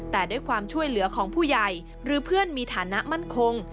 แต่ด้วยความช่วยเหลือของผู้ใหญ่หรือเพื่อนมีฐานะมั่นคง